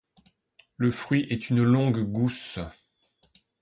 Le fruit est une longue gousse.